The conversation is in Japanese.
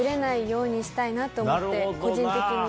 したいなと思って個人的に。